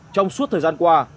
trong suốt thời gian qua